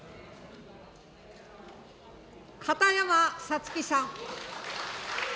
片山さつきさん。